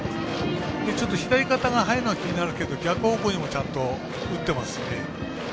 ちょっと左肩が入るのが気になるけど逆方向にもちゃんと打ってますね。